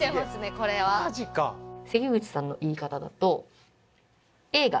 これはマジか関口さんの言い方だと「映画」